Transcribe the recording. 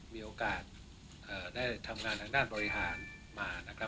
มีโอกาสได้ทำงานทางด้านบริหารมานะครับ